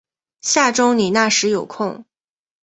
下周你那时有空